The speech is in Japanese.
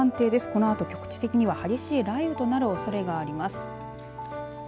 このあと局地的には激しい雷雨となるおそれがあります。